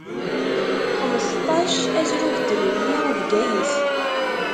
Xmesṭac, azrug n Tlelli, Bgayet.